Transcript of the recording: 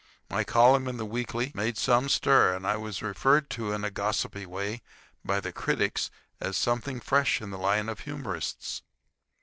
My column in the weekly made some stir, and I was referred to in a gossipy way by the critics as something fresh in the line of humorists.